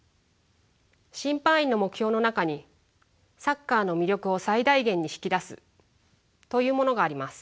審判員の目標の中に「サッカーの魅力を最大限に引き出す」というものがあります。